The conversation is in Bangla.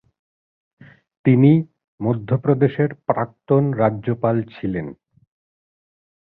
তিনি মধ্যপ্রদেশের প্রাক্তন রাজ্যপাল ছিলেন।